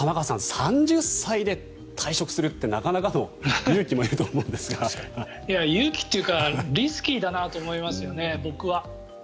３０歳で退職するってなかなかの勇気もいると思いますが勇気というかリスキーだなと思いますよね。